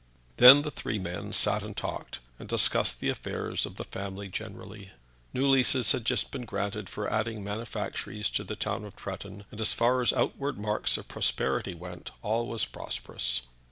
Then the three men sat and talked, and discussed the affairs of the family generally. New leases had just been granted for adding manufactories to the town of Tretton: and as far as outward marks of prosperity went all was prosperous.